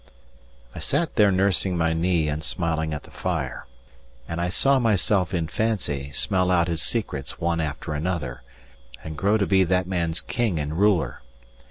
I sat there nursing my knee and smiling at the fire; and I saw myself in fancy smell out his secrets one after another, and grow to be that man's king and ruler.